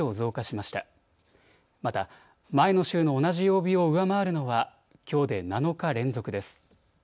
また、前の週の同じ曜日を上回るのはきょうで７日連続です。